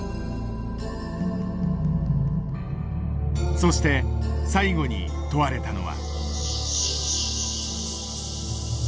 そして最後に問われたのは。